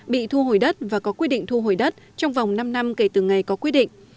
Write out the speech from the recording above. bị thu hồi đất và có quy định thu hồi đất trong vòng năm năm kể từ ngày có quyết định